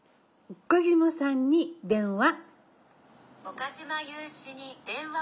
岡嶋さんに電話。